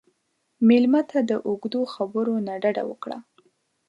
مېلمه ته د اوږدو خبرو نه ډډه وکړه.